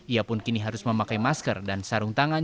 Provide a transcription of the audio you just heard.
ia pun kini harus memakai masker dan sarung tangan